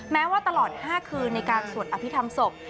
แม้ว่าตลอด๕คืนในการสวดอภิษฐรรมศพ